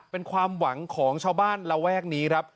เป็นความหวังของชาวบ้านระแวกนี้ครับ